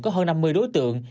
có hơn năm mươi đối tượng